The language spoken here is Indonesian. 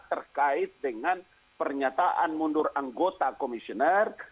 terkait dengan pernyataan mundur anggota komisioner